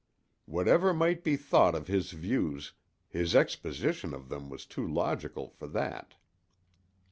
Whatever might be thought of his views, his exposition of them was too logical for that.